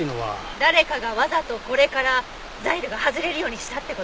誰かがわざとこれからザイルが外れるようにしたって事？